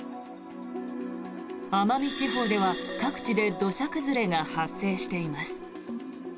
奄美地方では各地で土砂崩れが発生しています。